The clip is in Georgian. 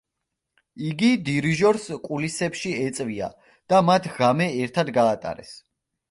იგი დირიჟორს კულისებში ეწვია და მათ ღამე ერთად გაატარეს.